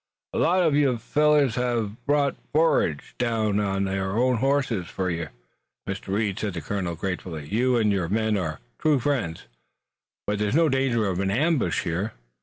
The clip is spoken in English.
A lot uv the fellers hev brought forage down on thar own hosses fur yourn." "Mr. Reed," said the colonel, gratefully, "you and your men are true friends. But there's no danger of an ambush here?"